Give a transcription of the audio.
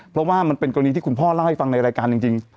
เพราะว่ามันเป็นกรณีที่คุณพ่อเล่าให้ฟังในรายการจริง